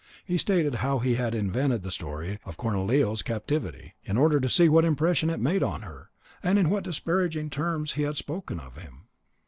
He stated how he had invented the story of Cornelio's captivity, in order to see what impression it made on her; and in what disparaging terms he had spoken of him.